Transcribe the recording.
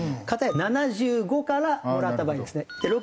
片や７５からもらった場合ですね。